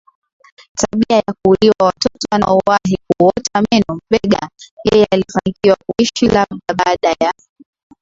tabia ya kuuliwa watoto wanaowahi kuota meno Mbegha yeye alifanikiwa kuishi lakini baada ya